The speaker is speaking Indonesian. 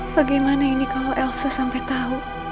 bagaimana ini kalau elsa sampai tahu